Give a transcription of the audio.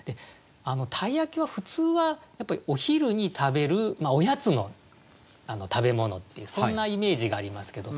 鯛焼は普通はお昼に食べるおやつの食べ物っていうそんなイメージがありますけど。